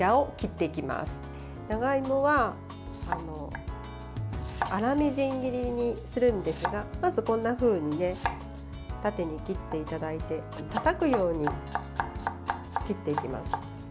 長芋は粗みじん切りにするんですがまず、こんなふうに縦に切っていただいてたたくように切っていきます。